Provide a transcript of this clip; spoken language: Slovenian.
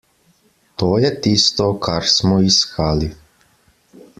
To je tisto, kar smo iskali!